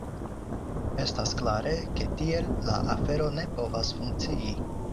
Estas klare, ke tiel la afero ne povas funkcii.